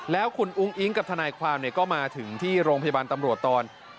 แล้วคุณอุ้งอิ๊งกับทนายความก็มาถึงที่โรงพยาบาลตำรวจตอน